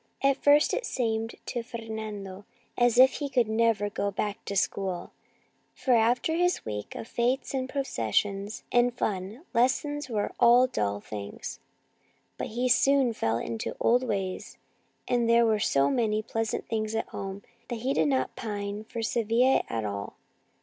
At first it seemed to Fer nando as if he could never go back to school, for after his week of fetes and processions and fun, lessons were dull things, but he soon fell into the old ways, and there were so many pleasant things at home that he did not pine for Sevilla at all.